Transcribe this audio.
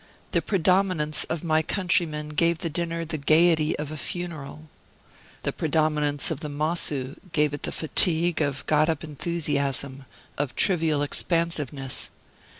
The predominance of my countrymen gave the dinner the gayety of a funeral; the predominance of the Mossoo gave it the fatigue of got up enthusiasm, of trivial expansiveness.